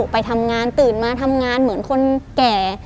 ไปทำงานตื่นมาทำงานเหมือนคนแก่